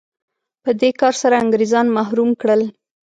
په دې کار سره انګرېزان محروم کړل.